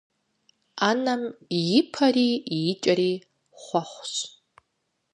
Ӏэнэм и пэри и кӀэри хъуэхъущ.